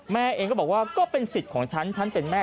แม่เองก็บอกว่าก็เป็นสิทธิ์ของฉันฉันเป็นแม่